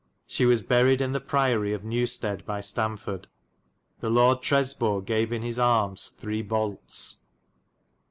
She was buried in the priory of Newstede by Stamford. The Lord Tresbor gave in his armes 3. bolts.